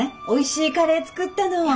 おいしいカレー作ったの。